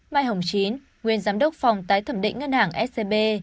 mai hồng chín nguyên giám đốc phòng tái thẩm định ngân hàng scb